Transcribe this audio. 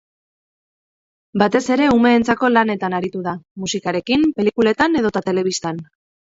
Batez ere umeentzako lanetan aritu da; musikarekin, pelikuletan edota telebistan.